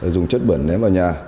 dùng chất bẩn ném vào nhà